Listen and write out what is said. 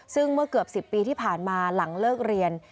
ซึ่งเมื่อเกือบ๑๐ปีที่ผ่านมาหลังเลิกเรียน